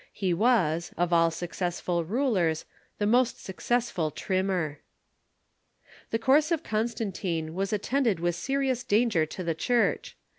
He was, of all successful rulers, the most successful trimmer. The course of Constantine was attended with serious danger to the Church.